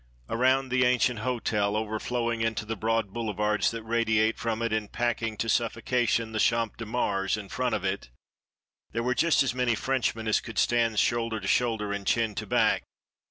Around the ancient hotel, overflowing into the broad boulevards that radiate from it, and packing to suffocation the Champs de Mars in front of it, there were just as many Frenchmen as could stand shoulder to shoulder and chin to back.